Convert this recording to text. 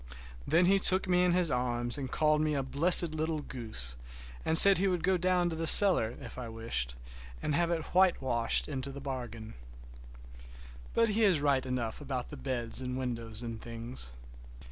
Then he took me in his arms and called me a blessed little goose, and said he would go down cellar if I wished, and have it whitewashed into the bargain. But he is right enough about the beds and windows and things.